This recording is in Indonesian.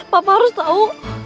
papa harus tahu